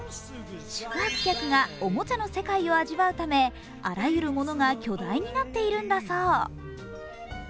宿泊客がおもちゃの世界を味わうため、あらゆるものが巨大になっているんだそう。